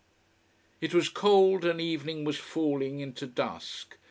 It was cold, and evening was falling into dusk.